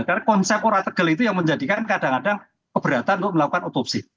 karena konsep ora tegal itu yang menjadikan kadang kadang keberatan untuk melakukan otopsi